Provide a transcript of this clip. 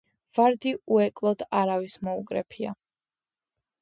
ვარდი უეკლოდ არავის მოუკრეფია.